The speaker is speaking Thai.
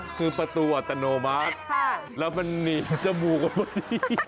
ก็คือประตูอัตโนมัติแล้วมันยืนจมูกอะไรอย่างนี้